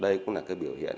đây cũng là cái biểu hiện